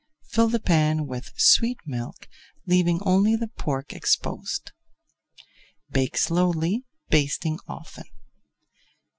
Fill the pan with sweet milk, leaving only the pork exposed. Bake slowly, basting often.